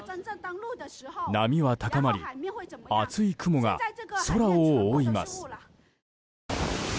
波は高まり厚い雲が空を覆います。